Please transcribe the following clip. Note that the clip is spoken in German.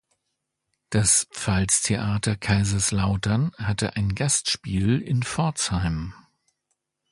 Das Pfalztheater Kaiserslautern hatte ein Gastspiel in Pforzheim.